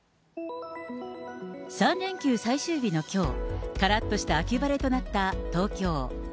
３連休最終日のきょう、からっとした秋晴れとなった東京。